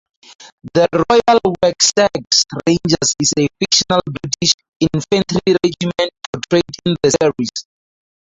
The Royal Wessex Rangers is a fictional British infantry regiment portrayed in the series.